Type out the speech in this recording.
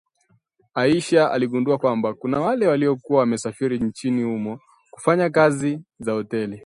Aisha aligundua kwamba, kuna wale waliokuwa wamesafiri nchini humo kufanya kazi za hoteli